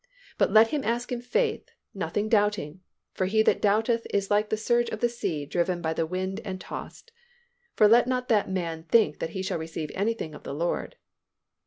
But let him ask in faith, nothing doubting: for he that doubteth is like the surge of the sea driven by the wind and tossed. For let not that man think that he shall receive anything of the Lord."